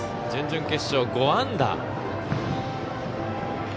準々決勝、５安打。